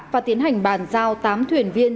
và tiến hành bàn giao tám thuyền viên